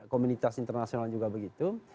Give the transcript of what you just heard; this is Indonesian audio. komunitas internasional juga begitu